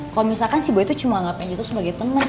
kalo misalkan si boy tuh cuma anggap anjel tuh sebagai temen